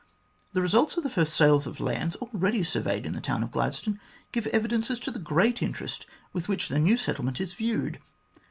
The results of the first sales of lands, already surveyed in the town of Gladstone, give evidence .as to the great interest with which the new settlement is viewed.